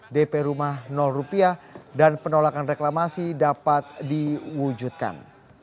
dp rumah rupiah dan penolakan reklamasi dapat diwujudkan